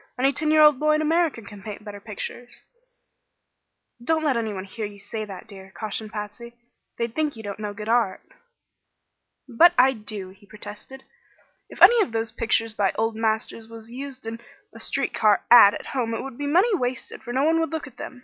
"Any ten year old boy in America can paint better pictures." "Don't let anyone hear you say that, dear," cautioned Patsy. "They'd think you don't know good art." "But I do," he protested. "If any of those pictures by old masters was used in a street car 'ad' at home it would be money wasted, for no one would look at them.